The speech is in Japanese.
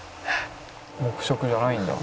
「黙食じゃないんだ」